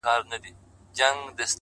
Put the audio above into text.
زما د سيمي د ميوند شاعري ـ